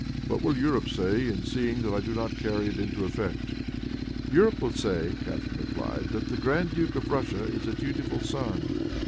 What will Europe say, in seeing that I do not carry it into effect?" "Europe will say," Catharine replied, "that the grand duke of Russia is a dutiful son."